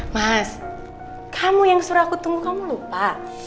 mas kamu yang suruh aku tunggu kamu lupa